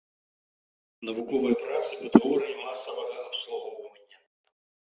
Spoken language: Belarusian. Навуковыя працы па тэорыі масавага абслугоўвання.